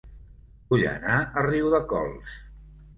Vull anar a Riudecols